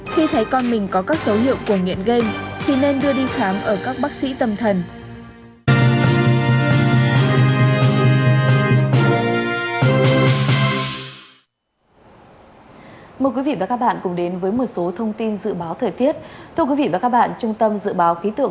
khi thấy con mình có các dấu hiệu của nghiện game